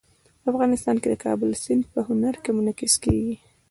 افغانستان کې د کابل سیند په هنر کې منعکس کېږي.